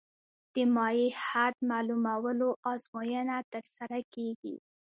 د مایع حد معلومولو ازموینه ترسره کیږي